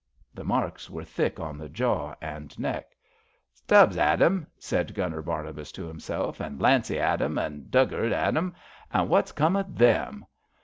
" The marks were thick on the jaw and neck. Stubbs' ad 'em," said Gunner Barnabas to himself, '^ an' Lancy 'ad 'em, an' Duggard 'ad 'em, an' wot's come to them?